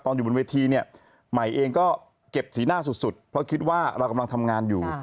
อยู่บนเวทีเนี่ยใหม่เองก็เก็บสีหน้าสุดเพราะคิดว่าเรากำลังทำงานอยู่